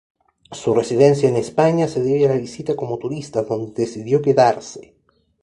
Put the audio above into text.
Su residencia en España se debe a la visita como turista, dónde decidió quedarse.